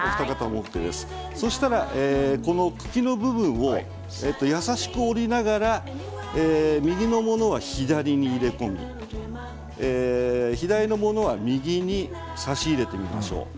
そうしたらこの茎の部分を優しく折りながら右のものは左に入れ込み左のものは右に挿し入れてみましょう。